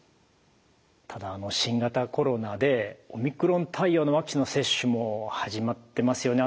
ただ新型コロナでオミクロン対応のワクチンの接種も始まってますよね。